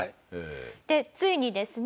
でついにですね